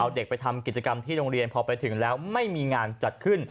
เอาเด็กไปทำกิจกรรมที่โรงเรียนพอไปถึงแล้วไม่มีงานจัดขึ้น